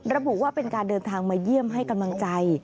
ระบุว่าเป็นการเดินทางมาเยี่ยมให้กำลังใจ